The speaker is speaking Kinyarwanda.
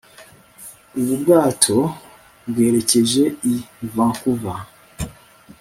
ubu bwato bwerekeje i vancouver